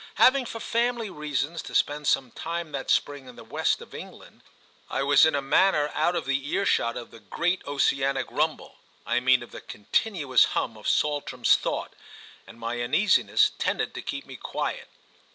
Having for family reasons to spend some time that spring in the west of England, I was in a manner out of earshot of the great oceanic rumble—I mean of the continuous hum of Saltram's thought—and my uneasiness tended to keep me quiet.